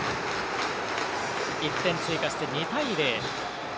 １点追加して２対０。